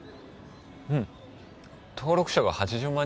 うん登録者が８０万